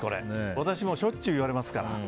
私もしょっちゅう言われますから。